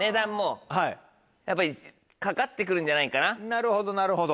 なるほどなるほど。